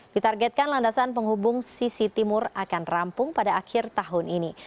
ditargetkan landasan penghubung sisi timur akan rampung pada akhir tahun ini